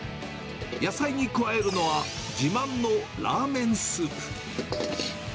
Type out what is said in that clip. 野菜に加えるのは、自慢のラーメンスープ。